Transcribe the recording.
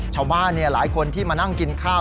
ชาวบ้านหลายคนที่มานั่งกินข้าว